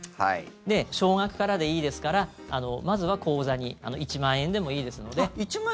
で、少額からでいいですからまずは口座にあ、１万円でもいいの？